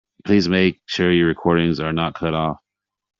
Please make sure your recordings are not cut off.